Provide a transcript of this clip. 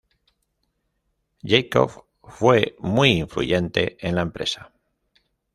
Jakob fue muy influyente en la empresa.